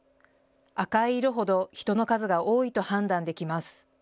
赤い色ほど人の数が多いと判断できます。